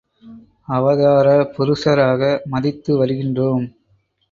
அவதார புருஷராக மதித்து வருகின்றோம்.